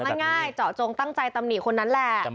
ง่ายเจาะจงตั้งใจตำหนิคนนั้นแหละ